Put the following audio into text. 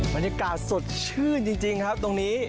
บรรยากาศสดชื่นจริงครับตรงนี้